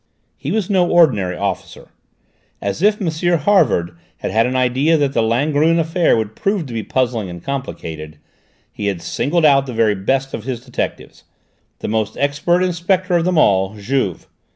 He was no ordinary officer. As if M. Havard had had an idea that the Langrune affair would prove to be puzzling and complicated, he had singled out the very best of his detectives, the most expert inspector of them all Juve.